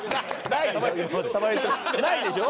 ないでしょ？